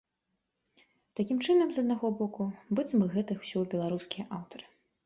Такім чынам, з аднаго боку, быццам бы гэта ўсё беларускія аўтары.